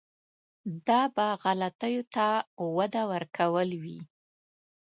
دا به غلطیو ته وده ورکول وي.